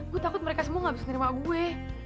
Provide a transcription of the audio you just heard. gue takut mereka semua gak bisa nerima gue